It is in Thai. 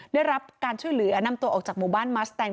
ได้รับการช่วยเหลือนำตัวออกจากหมู่บ้านมัสแตง